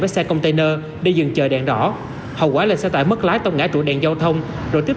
với xe container đi dừng chờ đèn đỏ hậu quả là xe tải mất lái tông ngã trụ đèn giao thông rồi tiếp